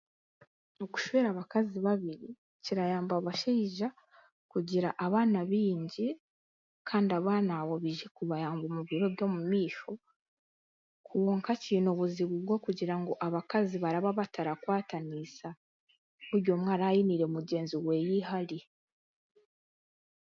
Okushwera abakazi babiri kirayamaba abashaija kugira abaana baingi kandi abaana abaraija kubayamba mubiro by'omumaisho kwonka kiine obuzibu bwokugira abakazi baraabarakwatanisa buryomwe ara ainiire buri omwe eihari.